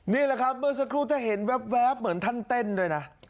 นี่แหละครับเมื่อสักครู่ถ้าเห็นแว๊บเหมือนท่านเต้นด้วยนะ